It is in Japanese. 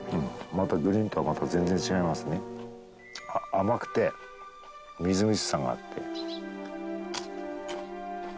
甘くてみずみずしさがあって。